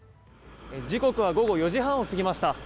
時刻は午後４時半を過ぎました。